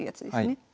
はい。